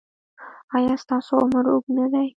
ایا ستاسو عمر اوږد نه دی؟